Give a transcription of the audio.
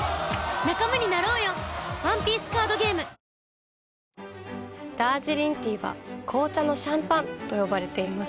さらに最前線の現場でダージリンティーは紅茶のシャンパンと呼ばれています。